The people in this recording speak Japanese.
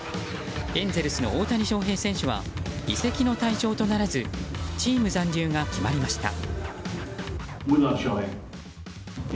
エンゼルスの大谷翔平選手は移籍の対象とならずチーム残留が決まりました。